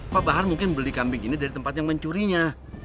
pak bahar mungkin beli kambing ini dari tempat yang mencurinya